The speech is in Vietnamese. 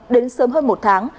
đến sớm hơn một tháng